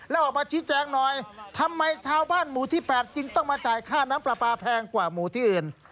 แล้วออกมาชี้แจงหน่อยทำไมชาวบ้านหมู่ที่๘จึงต้องมาจ่ายค่าน้ำปลาปลาแพงกว่าหมู่ที่อื่น